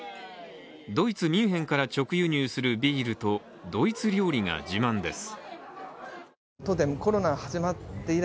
ドイツ・ミュンヘンから直輸入するビールとドイツ料理が自慢です。